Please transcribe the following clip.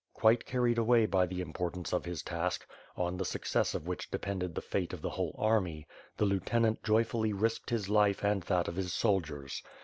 Quite carried away by the importance of his task, on the success of which depended the fate of the whole army, the lieutenant joyfully risked his life and that of his soldiers.